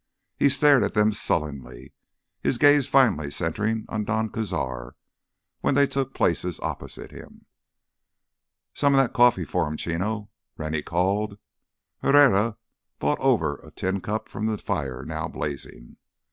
He stared at them sullenly, his gaze finally centering on Don Cazar when they took places opposite him. "Some of that coffee for him, Chino," Rennie called. Herrera brought over a tin cup from the fire now blazing.